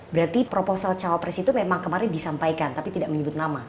berarti proposal cawapres itu memang kemarin disampaikan tapi tidak menyebut nama